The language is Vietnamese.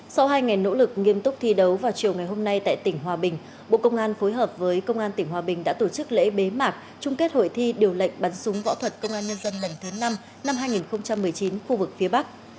sau hai ngày nỗ lực nghiêm túc thi đấu vào chiều ngày hôm nay tại tỉnh hòa bình bộ công an phối hợp với công an tỉnh hòa bình đã tổ chức lễ bế mạc trung kết hội thi điều lệnh bắn súng võ thuật công an nhân dân lần thứ năm năm hai nghìn một mươi chín khu vực phía bắc